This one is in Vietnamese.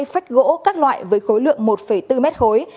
bốn mươi hai phách gỗ các loại với khối lượng một bốn mét khối